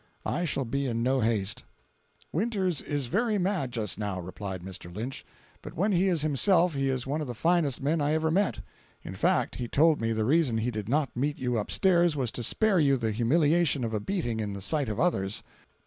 I shall be in no haste." "Winters is very mad just now," replied Mr. Lynch, "but when he is himself he is one of the finest men I ever met. In fact, he told me the reason he did not meet you upstairs was to spare you the humiliation of a beating in the sight of others."